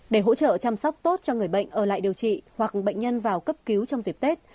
để hỗ trợ chăm sóc tốt cho người bệnh ở lại điều trị hoặc bệnh nhân vào cấp cứu trong dịp tết